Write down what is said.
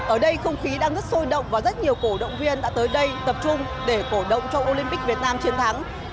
ở đây không khí đang rất sôi động và rất nhiều cổ động viên đã tới đây tập trung để cổ động cho olympic việt nam chiến thắng